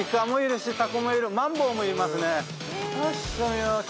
よし。